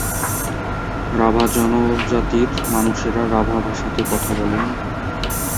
রাভা জনজাতির মানুষেরা রাভা ভাষাতে কথা বলেন।